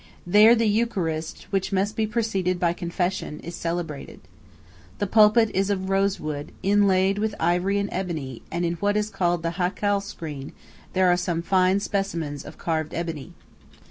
There the Eucharist, which must be preceded by confession, is celebrated. The pulpit is of rosewood, inlaid with ivory and ebony, and in what is called the "haikal screen" there are some fine specimens of carved ebony.